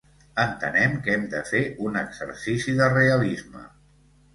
Entenem que hem de fer un exercici de realisme.